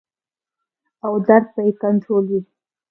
او درد به ئې کنټرول وي -